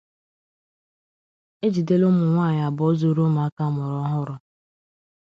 e jidela ụmụnwaanyị abụọ zuru ụmụaka a mụrụ ọhụrụ